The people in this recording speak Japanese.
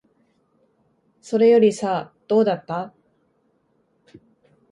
それよりさ、どうだった？